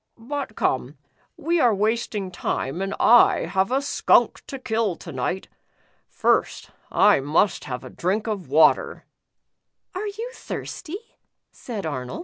"But come, we are wasting time, and I have a skunk to kill to night. First, I must have a drink of water. " "Are you thirsty ?" said Arnold.